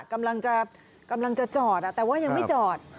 กำลังจะกำลังจะจอดอ่ะแต่ว่ายังไม่จอด